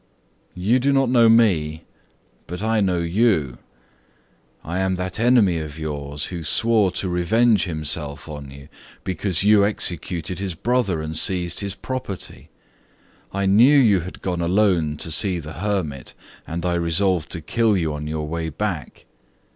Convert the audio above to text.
"You do not know me, but I know you. I am that enemy of yours who swore to revenge himself on you, because you executed his brother and seized his property. I knew you had gone alone to see the hermit, and I resolved to kill you on your way back.